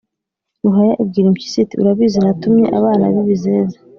ruhaya ibwira impyisi iti «urabizi, natumye abana b'ibizeze